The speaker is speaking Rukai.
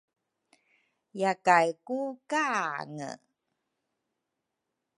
Yakay ku kaange